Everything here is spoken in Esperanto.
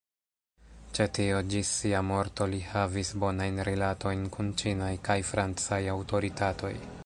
Ĉe tio ĝis sia morto li havis bonajn rilatojn kun ĉinaj kaj francaj aŭtoritatoj.